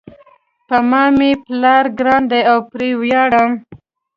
په ما مېپلار ګران ده او پری ویاړم